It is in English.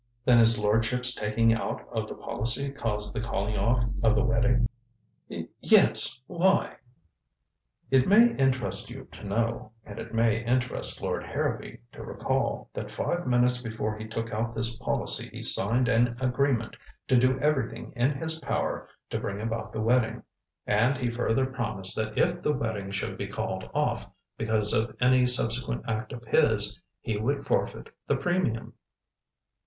"Then his lordship's taking out of the policy caused the calling off of the wedding?" "Y yes. Why?" "It may interest you to know and it may interest Lord Harrowby to recall that five minutes before he took out this policy he signed an agreement to do everything in his power to bring about the wedding. And he further promised that if the wedding should be called off because of any subsequent act of his, he would forfeit the premium."